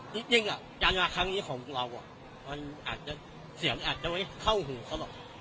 จริงจังหวะครั้งนี้ของเราเสียงอาจจะไว้เข้าหูเขา